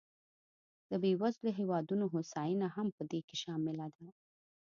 د بېوزلو هېوادونو هوساینه هم په دې کې شامله ده.